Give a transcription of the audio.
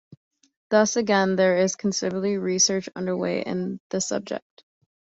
Thus, again there is considerable research underway in the subject.